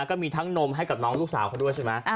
ก็มีทั้งนมให้กับน้องลูกสาวเขาด้วยใช่ไหม